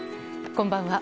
こんばんは。